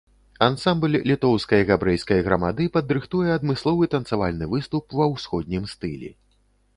Ансамбль літоўскай габрэйскай грамады падрыхтуе адмысловы танцавальны выступ ва ўсходнім стылі.